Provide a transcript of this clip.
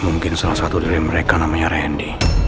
mungkin salah satu dari mereka namanya randy